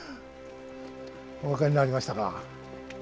お分かりになりましたか。